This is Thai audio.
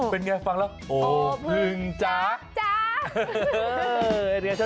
เป็นไงฟังแล้วโอ้พึงจ๋าจ๊ะ